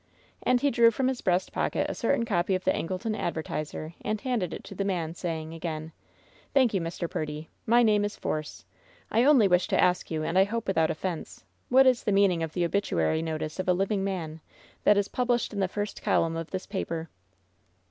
And he drew from his breast pocket a certain copy of the Angleton Advertiser and handed it to the man, saying again: "Thank you, Mr. Purdy. My name is Force. I only wish to ask you — and I hope without offense — ^what is the meaning of the obituary notice of a living man that is published in the first column of this paper?"